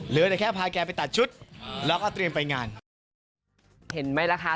เหลือแต่แค่พาแกไปตัดชุดแล้วก็เตรียมไปงาน